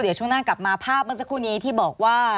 เดี๋ยวช่วงหน้ากลับมาภาพเมื่อสักครู่นี้ที่บอกว่า